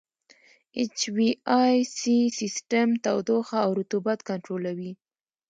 اچ وي اې سي سیسټم تودوخه او رطوبت کنټرولوي.